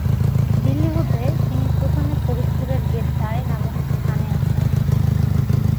দিল্লী হতে তিনি প্রথমে ফরিদপুরের গেদ্দায় নামক স্থানে আসেন।